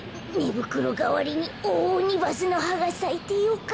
ぶくろがわりにオオオニバスのはがさいてよかった。